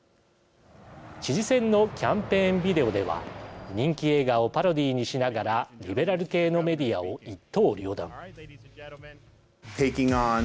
知事選のキャンペーンビデオでは人気映画をパロディーにしながらリベラル系のメディアを一刀両断。